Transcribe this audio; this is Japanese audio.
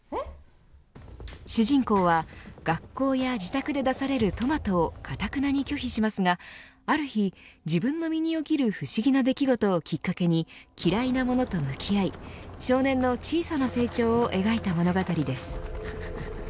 主人公は学校や自宅で出されるトマトをかたくなに拒否しますがある日、自分の身に起きる不思議な出来事をきっかけに嫌いなものと向き合い少年の小さな成長を描いた物語です。